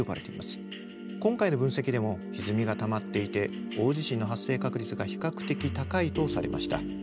今回の分析でもひずみがたまっていて大地震の発生確率が比較的高いとされました。